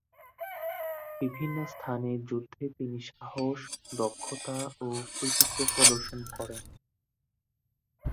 বিভিন্ন স্থানে যুদ্ধে তিনি সাহস, দক্ষতা ও কৃতিত্ব প্রদর্শন করেন।